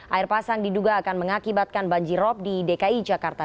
air pasang diduga akan mengakibatkan banjirop di dki jakarta